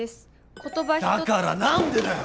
言葉だから何でだよ！